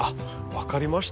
分かりました。